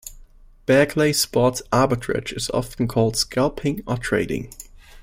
Back-lay sports arbitrage is often called "scalping" or "trading".